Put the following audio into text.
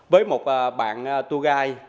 với một bạn tour guide